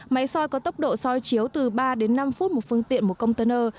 máy soi có tốc độ soi chiếu từ ba đến năm phút một phương tiện một container